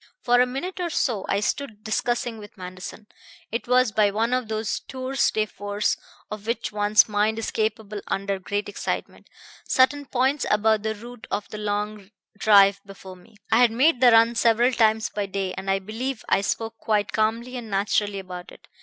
"For a minute or so I stood discussing with Manderson it was by one of those tours de force of which one's mind is capable under great excitement certain points about the route of the long drive before me. I had made the run several times by day, and I believe I spoke quite calmly and naturally about it.